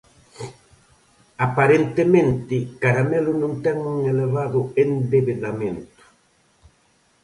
Aparentemente, Caramelo non ten un elevado endebedamento.